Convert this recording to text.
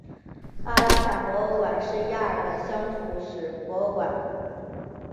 阿拉坦博物馆是亚尔的乡土史博物馆。